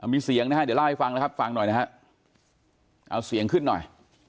มีเสียงนะฮะเดี๋ยวเล่าให้ฟังนะครับฟังหน่อยนะฮะเอาเสียงขึ้นหน่อย